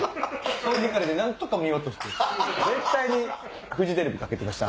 その光で何とか見ようとして絶対にフジテレビかけてました。